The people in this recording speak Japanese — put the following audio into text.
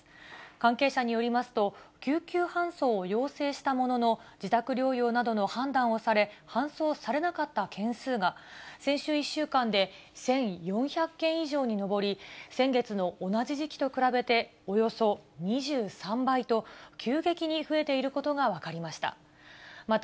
関係者によりますと、救急搬送を要請したものの、自宅療養などの判断をされ、搬送されなかった件数が、先週１週間で１４００件以上に上り、先月の同じ時期と比べておよそ２３倍と、急激に増えていることが分かりました。